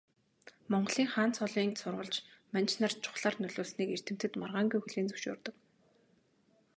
Монголын хаан цолын сурвалж манж нарт чухлаар нөлөөлснийг эрдэмтэд маргаангүй хүлээн зөвшөөрдөг.